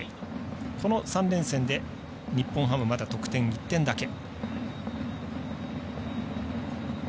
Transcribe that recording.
この３連戦で日本ハムまだ得点１点だけ。